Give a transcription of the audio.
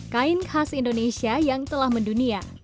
kain khas indonesia yang telah mendunia